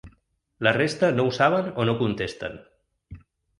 La resta no ho saben o no contesten.